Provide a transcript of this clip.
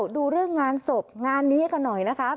ดูเรื่องงานศพงานนี้กันหน่อยนะครับ